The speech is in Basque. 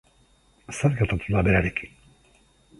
Zer gertatu da berarekin?